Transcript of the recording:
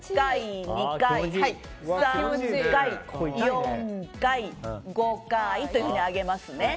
１回、２回、３回、４回、５回というふうに上げますね。